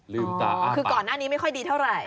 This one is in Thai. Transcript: ลืมตาอ้าปากคือก่อนหน้านี้ไม่ค่อยดีเท่าไร